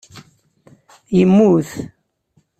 Yemmut.